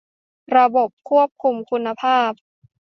ระบบควบคุมคุณภาพ